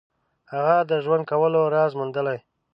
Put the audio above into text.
هغه د ژوند کولو راز موندلی.